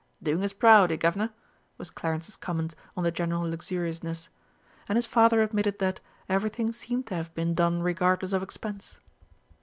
"Doing us proud, eh, Guv'nor?" was Clarence's comment on the general luxuriousness; and his father admitted that "everything seemed to have been done regardless of expense."